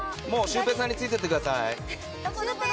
シュウペイさんについていってください。